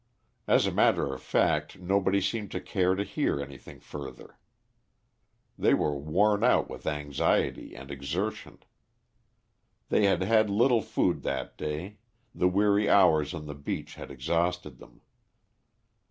As a matter of fact, nobody seemed to care to hear anything further. They were worn out with anxiety and exertion. They had had little food that day; the weary hours on the beach had exhausted them.